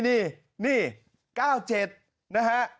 นี่๙๗นะฮะ